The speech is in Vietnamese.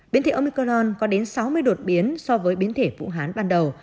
biến thể omicron có đến sáu mươi đột biến so với biến thể phụ hán ban đầu